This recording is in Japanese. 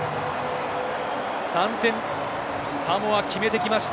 ３点、サモア決めました。